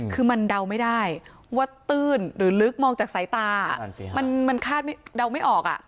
คือมันเดาไม่ได้ว่าตื้นหรือลึกมองจากสายตามันคาดเดาไม่ออก